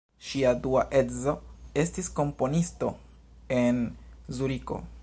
Ŝia dua edzo estis komponisto en Zuriko.